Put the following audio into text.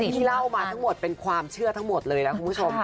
ที่เล่ามาทั้งหมดเป็นความเชื่อทั้งหมดเลยนะคุณผู้ชม